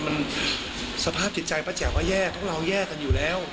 มันสภาพจิตใจประแจว่าแย่พวกเราแย่กันอยู่แล้ว